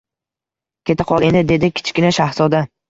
— Keta qol endi, — dedi Kichkina shahzoda.